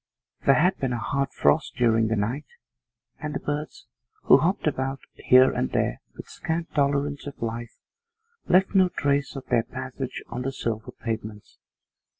There had been a hard frost during the night, and the birds, who hopped about here and there with scant tolerance of life, left no trace of their passage on the silver pavements.